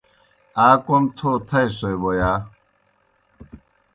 آ کوْم تھو تھائیسوئے بوْ یا؟